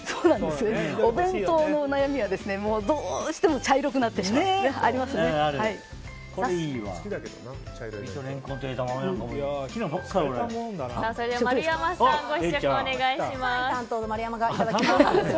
お弁当のお悩みはどうしても茶色くなってしまうというのがありますよね。